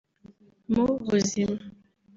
mu buzima